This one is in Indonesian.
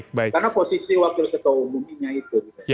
karena posisi wakil ketua umum ini itu